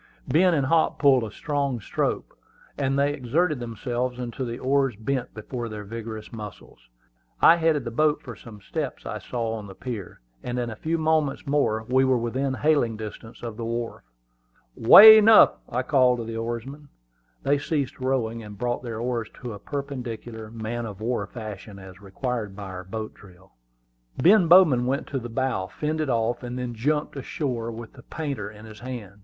Ben and Hop pulled a strong stroke, and they exerted themselves until the oars bent before their vigorous muscles. I headed the boat for some steps I saw on the pier, and in a few moments more we were within hailing distance of the wharf. "Way enough!" I called to the oarsmen. They ceased rowing, and brought their oars to a perpendicular, man of war fashion, as required by our boat drill. Ben Bowman went to the bow, fended off, and then jumped ashore with the painter in his hand.